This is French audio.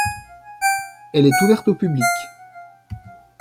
Elle est ouverte au public.